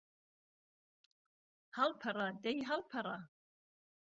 ههڵپهڕه دهی ههڵپهڕه